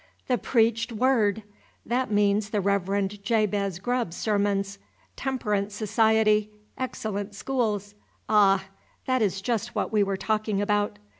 "The preached word"! That means the Rev. Jabez Grubb's sermons. "Temperance society"! "Excellent schools"! Ah, that is just what we were talking about.